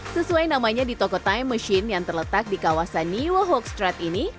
sesuai namanya di toko time machine yang terletak di kawasan nieuwehoekstraat ini